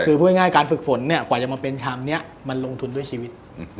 คือพูดง่ายการฝึกฝนกว่าจะมาเป็นชามนี้มันลงทุนด้วยชีวิต